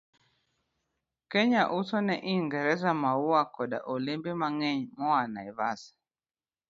Kenya uso ne Ingresa maua koda olembe mang'eny moa Naivasha,